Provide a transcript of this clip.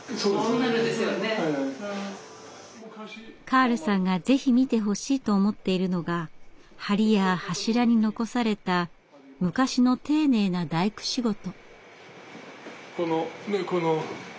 カールさんがぜひ見てほしいと思っているのが梁や柱に残された昔の丁寧な大工仕事。